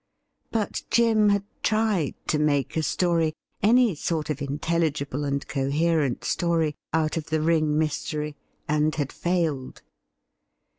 But Jim had tried to make a story — ^any sort of intelli gible and coherent story — out of the ring mystery, and had failed.